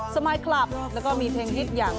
มายคลับแล้วก็มีเพลงฮิตอย่าง